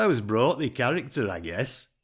Thou's brought thi character, I guess ?